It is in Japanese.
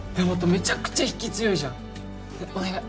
めちゃくちゃ引き強いじゃんねっお願い